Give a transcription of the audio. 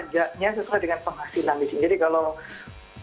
jadi pajaknya sesuai dengan penghasilan disini